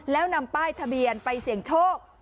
แล้วนำป้ายทะเบียนไปเสี่ยงโชค